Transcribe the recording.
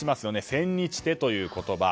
千日手という言葉。